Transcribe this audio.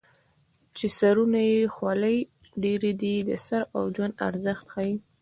چې سرونه وي خولۍ ډېرې دي د سر او ژوند ارزښت ښيي